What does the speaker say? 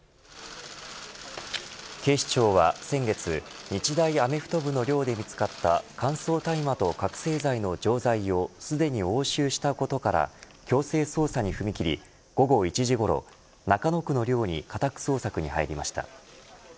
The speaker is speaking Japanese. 警視庁は先月日大アメフト部の寮で見つかった乾燥大麻と覚せい剤の錠剤をすでに押収したことから強制捜査に踏み切り午後１時ごろ中野区の寮に家宅捜索に入りました。